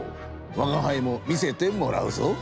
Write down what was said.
わがはいも見せてもらうぞ。